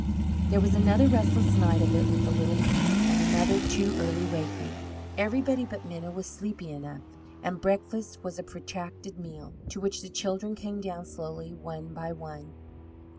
There was another restless night of it with the little niece, and another too early waking. Everybody but Minna was sleepy enough, and breakfast was a protracted meal, to which the "children" came down slowly one by one.